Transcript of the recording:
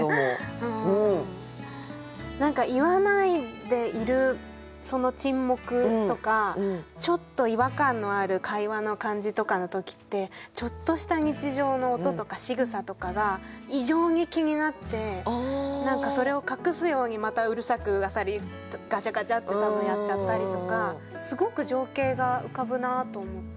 何か言わないでいるその沈黙とかちょっと違和感のある会話の感じとかの時ってちょっとした日常の音とかしぐさとかが異常に気になって何かそれを隠すようにまたうるさくあさりガチャガチャって多分やっちゃったりとかすごく情景が浮かぶなと思って。